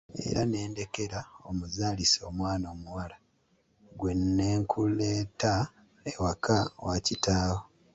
Era ne ndekera omuzaalisa omwana omuwala, gwe ne nkuleeta ewaka wa kitaawo.